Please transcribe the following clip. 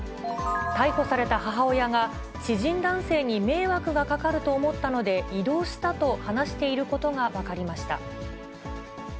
逮捕された母親が、知人男性に迷惑がかかると思ったので移動したと話していることが分かりました。